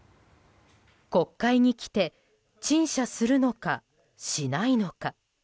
国会に来て陳謝するのかしないのか。